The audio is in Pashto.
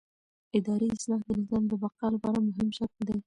اداري اصلاح د نظام د بقا لپاره مهم شرط دی